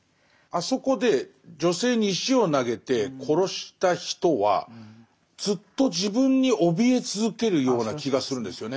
あそこで女性に石を投げて殺した人はずっと自分におびえ続けるような気がするんですよね。